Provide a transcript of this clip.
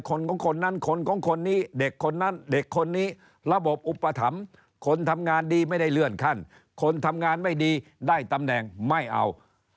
คนของคนนั้นคนของคนนี้เด็กคนนั้นเด็กคนนี้ระบบอุปถัมภ์คนทำงานดีไม่ได้เลื่อนขั้นคนทำงานไม่ดีได้ตำแหน่งไม่เอา